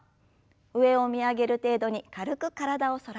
上を見上げる程度に軽く体を反らせます。